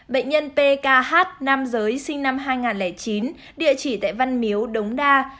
bệnh nhân pkh nam giới sinh năm hai nghìn chín địa chỉ tại văn miếu đống đa